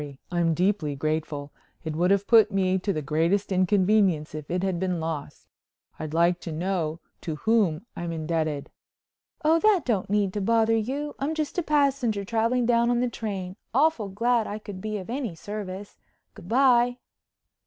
I'm deeply grateful. It would have put me to the greatest inconvenience if it had been lost. I'd like to know to whom I'm indebted." "Oh, that don't need to bother you. I'm just a passenger traveling down on the train. Awful glad I could be of any service. Good bye."